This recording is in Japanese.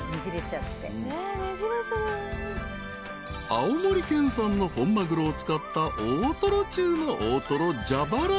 ［青森県産のホンマグロを使った大トロ中の大トロ蛇腹］